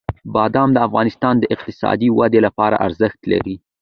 بادام د افغانستان د اقتصادي ودې لپاره ارزښت لري.